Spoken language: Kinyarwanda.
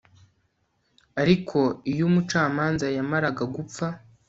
ariko iyo umucamanza yamaraga gupfa